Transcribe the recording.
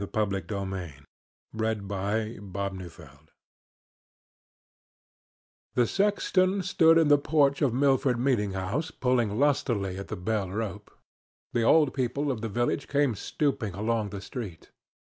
THE MINISTER'S BLACK VEIL A PARABLE The sexton stood in the porch of Milford meeting house pulling lustily at the bell rope. The old people of the village came stooping along the street.